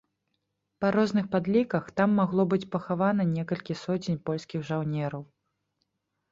Па розных падліках, там магло быць пахавана некалькі соцень польскіх жаўнераў.